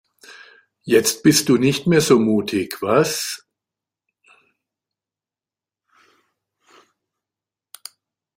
Jetzt bist du nicht mehr so mutig, was?